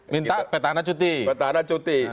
minta petahana cuti